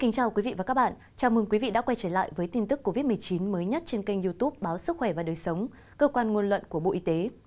chào mừng quý vị đã quay trở lại với tin tức covid một mươi chín mới nhất trên kênh youtube báo sức khỏe và đời sống cơ quan nguồn luận của bộ y tế